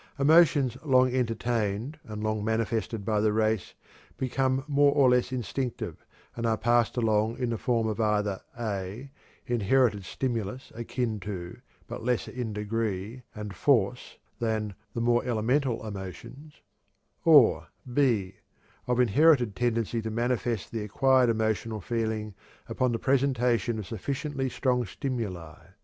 Emotions long entertained and long manifested by the race become more or less instinctive, and are passed along in the form of either (a) inherited stimulus akin to, but lesser in degree and force than, the more elemental emotions; or (b) of inherited tendency to manifest the acquired emotional feeling upon the presentation of sufficiently strong stimuli.